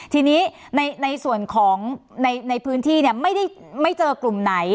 ทีนี้ในส่วนของในพื้นที่ไม่เจอกลุ่มไหน